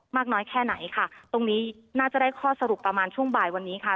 มากน้อยแค่ไหนค่ะตรงนี้น่าจะได้ข้อสรุปประมาณช่วงบ่ายวันนี้ค่ะ